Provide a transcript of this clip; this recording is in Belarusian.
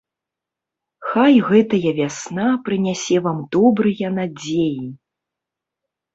Хай гэтая вясна прынясе вам добрыя надзеі.